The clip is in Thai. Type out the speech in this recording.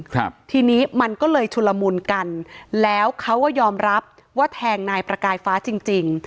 ครับทีนี้มันก็เลยชุลมุนกันแล้วเขาก็ยอมรับว่าแทงนายประกายฟ้าจริงจริง